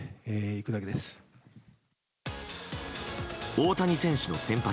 大谷選手の先発。